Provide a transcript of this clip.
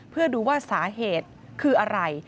เพื่อดูว่าสาเหตุคืออะไร